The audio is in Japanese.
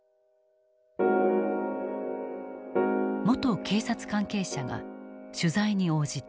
元警察関係者が取材に応じた。